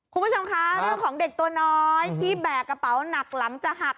คุณผู้ชมคะเรื่องของเด็กตัวน้อยที่แบกกระเป๋าหนักหลังจะหัก